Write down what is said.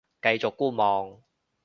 繼續觀望